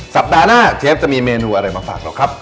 สัปดาห์หน้าเชฟจะมีเมนูอะไรมาฝากเราครับ